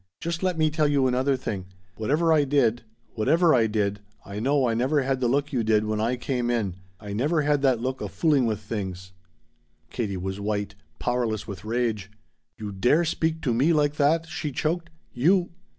Just let me tell you another thing! Whatever I did whatever I did I know I never had the look you did when I came in! I never had that look of fooling with things!" Katie was white powerless with rage. "You dare speak to me like that!" she choked. "You